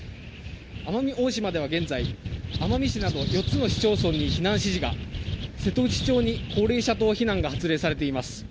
奄美大島では現在奄美市など４つの市町村に避難指示が瀬戸内町に高齢者等避難が発令されています。